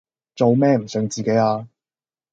做咩唔信自己呀